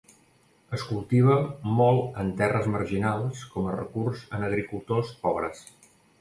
Es cultiva molt en terres marginals com a recurs en agricultors pobres.